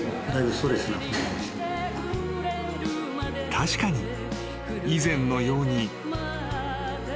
［確かに以前のように］